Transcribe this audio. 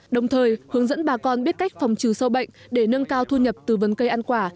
đồng thời hướng dẫn bà con biết cách phòng trừ sâu bệnh để nâng cao thu nhập tư vấn cây ăn quả